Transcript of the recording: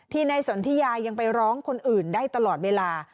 นายสนทิยายังไปร้องคนอื่นได้ตลอดเวลา